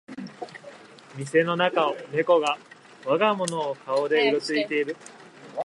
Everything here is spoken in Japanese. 店の中をネコが我が物顔でうろついてる